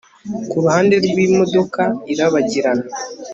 Kuruhande rwimodoka irabagirana